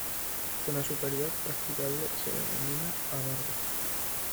La zona superior, practicable, se denomina adarve.